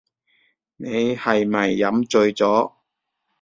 你係咪飲醉咗